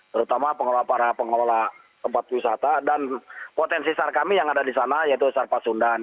terutama para pengelola tempat wisata dan potensi sar kami yang ada di sana yaitu sar pasundan